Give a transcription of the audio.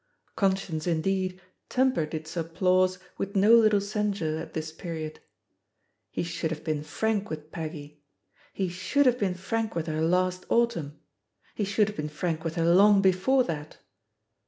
Conscience, indeed, tempered its applause with no little censure at this period. He should have been frank with Peggy! He should have been frank with her last autumn — ^he should have been frank with her long before that!